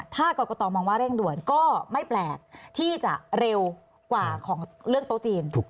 ถ้ากรกตมองว่าเร่งด่วนก็ไม่แปลกที่จะเร็วกว่าของเรื่องโต๊ะจีน